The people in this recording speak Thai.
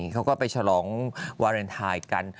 เขาก็ไปฉลองวาเลนไทยกัน